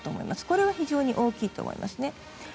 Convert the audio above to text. これは非常に大きいと思います。